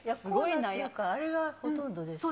あれがほとんどですね。